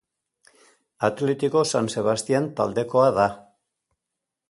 Atletico San Sebastian taldekoa da.